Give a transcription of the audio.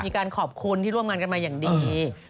ขอบคุณที่ร่วมงานกันมาอย่างดี